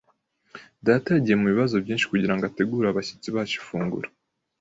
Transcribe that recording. Data yagiye mubibazo byinshi kugirango ategure abashyitsi bacu ifunguro.